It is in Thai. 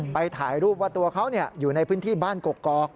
ถ่ายรูปว่าตัวเขาอยู่ในพื้นที่บ้านกกอก